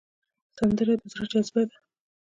سندره د زړه جذبه ده